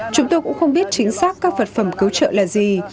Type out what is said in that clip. chúng tôi cũng không biết chính xác các vật phẩm cứu trợ là gì